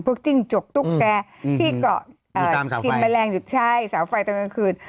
พวกจิ้งจกตุ๊กแต่ที่ก็กินแมลงจุดช่ายสาวไฟตรงกลางคืน